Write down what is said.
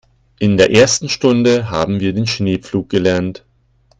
In der ersten Stunde haben wir den Schneepflug gelernt.